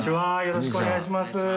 よろしくお願いします。